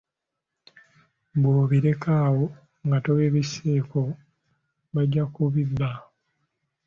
Bw'obireka awo nga tobibisseeko bajja ku bibba.